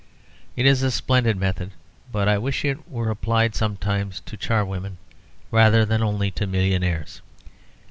It is a splendid method; but I wish it were applied sometimes to charwomen rather than only to millionaires.